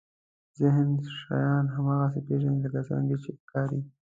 ذهن شیان هماغسې پېژني لکه څرنګه چې ښکاري.